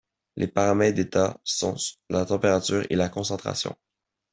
Les paramètres d'état sont la température et la concentration.